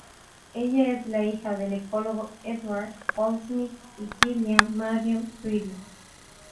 Ella es la hija del ecólogo Edward Goldsmith y Gillian Marion Pretty.